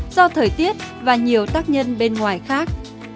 do thời tiết và nhiều tác nhân bên ngoài khác